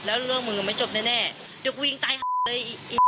แล้วเรื่องมือมันไม่จบแน่แน่เดี๋ยวกูยิงตายเลย